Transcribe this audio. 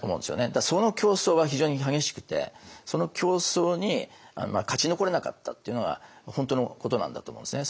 だからその競争は非常に激しくてその競争に勝ち残れなかったっていうのは本当のことなんだと思うんですね。